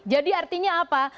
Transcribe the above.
jadi artinya apa